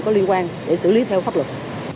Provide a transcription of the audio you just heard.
có liên quan để xử lý theo pháp luật